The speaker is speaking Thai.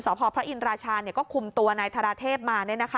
สอบพพระอินราชาก็คุมตัวในธราเทพฯมา